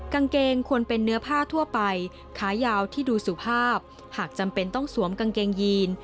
กางเกงควรเป็นเนื้อผ้าทั่วไปขายาวที่ดูสุภาพหากจำเป็นต้องสวมกางเกงยีน